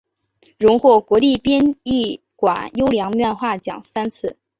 荣获国立编译馆优良漫画奖三次。